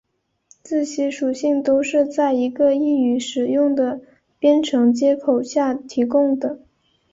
这些属性都是在一个易于使用的编程接口下提供的。